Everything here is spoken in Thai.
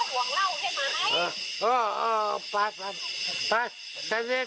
คุณคือจะไม่ได้ห่วงมันหรอห่วงเล่าใช่ไหม